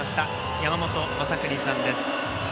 山本昌邦さんです。